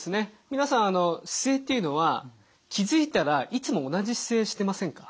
皆さん姿勢っていうのは気付いたらいつも同じ姿勢してませんか？